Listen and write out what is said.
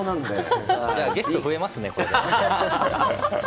ゲスト増えますね。